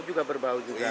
oh juga berbau juga